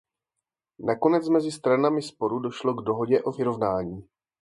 Nakonec mezi stranami sporu došlo k dohodě o vyrovnání.